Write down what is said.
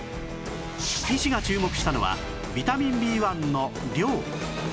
医師が注目したのはビタミン Ｂ１ の量